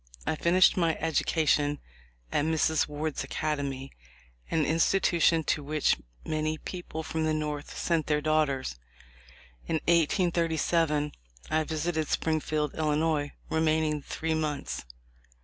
I finished my edu cation at Mrs. Ward's Academy, an institution to which many people from the North sent their daughters. In 1837 I visited Springfield, Illinois, remaining three months.